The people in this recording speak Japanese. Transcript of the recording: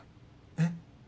えっ？